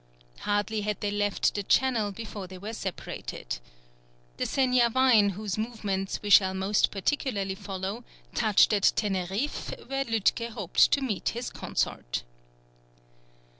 Hardly had they left the Channel before they were separated. The Seniavine, whose movements we shall most particularly follow, touched at Teneriffe, where Lütke hoped to meet his consort.